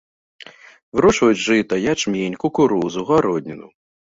Вырошчваюць жыта, ячмень, кукурузу, гародніну.